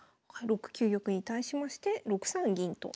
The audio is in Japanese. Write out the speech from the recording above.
６九玉に対しまして６三銀と。